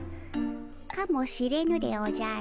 かもしれぬでおじゃる。